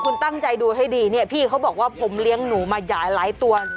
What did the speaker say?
คุณตั้งใจดูให้ดีเนี่ยพี่เขาบอกว่าผมเลี้ยงหนูมาหลายตัว